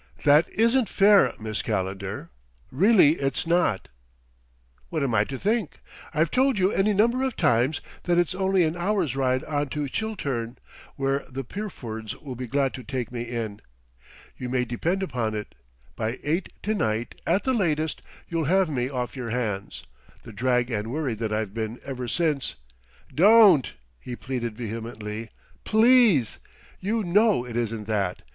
"That isn't fair, Miss Calendar. Really it's not." "What am I to think? I've told you any number of times that it's only an hour's ride on to Chiltern, where the Pyrfords will be glad to take me in. You may depend upon it, by eight to night, at the latest, you'll have me off your hands, the drag and worry that I've been ever since " "Don't!" he pleaded vehemently. "Please!... You know it isn't that.